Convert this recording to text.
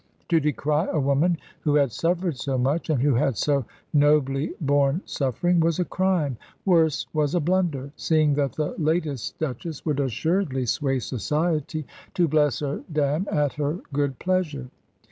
To decry a woman who had suffered so much, and who had so nobly borne suffering, was a crime worse, was a blunder, seeing that the latest Duchess would assuredly sway society, to bless or damn at her good pleasure.